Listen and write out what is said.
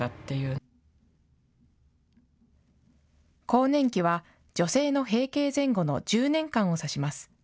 更年期は、女性の閉経前後の１０年間をさします。